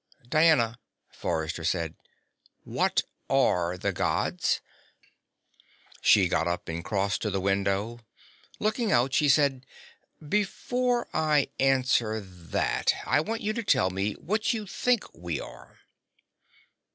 "Diana," Forrester said, "what are the Gods?" She got up and crossed to the window. Looking out, she said: "Before I answer that, I want you to tell me what you think we are."